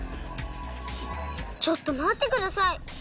ちょっとまってください。